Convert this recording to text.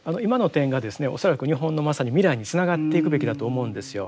恐らく日本のまさに未来につながっていくべきだと思うんですよ。